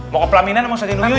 mau ke plaminan mau serta nuyuy